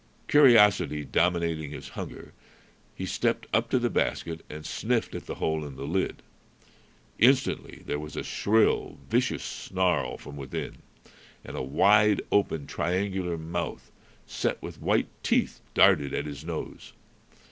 Curiosity dominating his hunger, he stepped up to the basket and sniffed at the hole in the lid. Instantly there was a shrill, vicious snarl from within, and a wide open, triangular mouth, set with white teeth, darted at his nose.